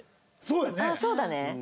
そうだね。